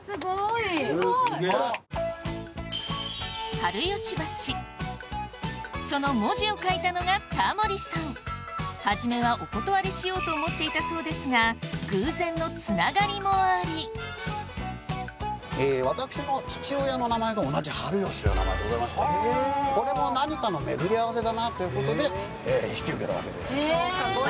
「春吉橋」その文字を書いたのがタモリさん始めはお断りしようと思っていたそうですが偶然のつながりもあり私の父親の名前が同じ「春吉」という名前でございましてこれも何かの巡り合わせだなということで引き受けたわけでございます。